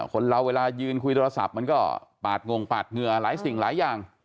คนเราเวลายืนคุยโทรศัพท์มันก็ปาดงงปาดเหงื่อหลายสิ่งหลายอย่าง